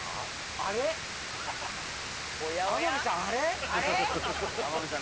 右？天海さん